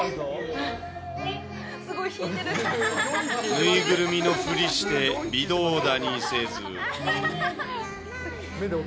縫いぐるみのふりして微動だにせず。